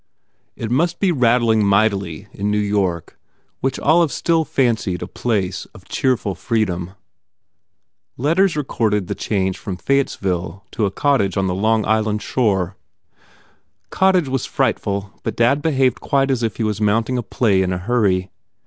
It must be rattling mightily in New York which Olive still fancied a place of cheerful freedom. Letters re 170 TODGERS INTRUDES corded the change from Fayettesville to a cottage on the Long Island shore: Cottage was frightful but dad behaved quite as if he was mounting a play in a hurry.